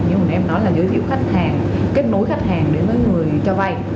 như mình em nói là giới thiệu khách hàng kết nối khách hàng đến với người cho vay